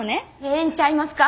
ええんちゃいますか？